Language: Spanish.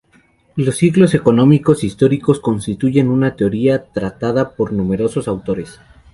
Los ciclos económicos históricos constituyen una teoría tratada por numerosos autores.